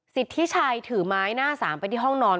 สิทธิชัยถือไม้หน้าสามไปที่ห้องนอน